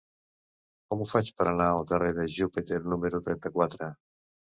Com ho faig per anar al carrer de Júpiter número trenta-quatre?